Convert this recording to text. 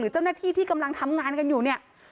เจ้าหน้าที่ที่กำลังทำงานกันอยู่เนี่ย